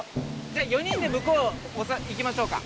４人で向こう行きましょうか。